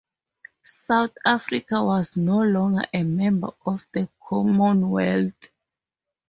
South Africa was no longer a member of the Commonwealth.